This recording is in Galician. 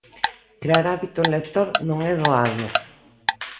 Crear hábito lector non é doado.